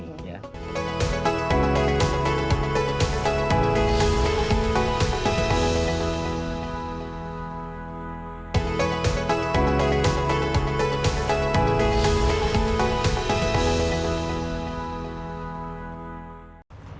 terima kasih ustadz